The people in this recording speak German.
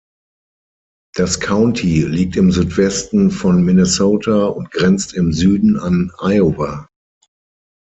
Das County liegt im Südwesten von Minnesota und grenzt im Süden an Iowa.